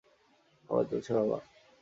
ভালো চলছে, বাবা।